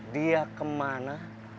dia ke mana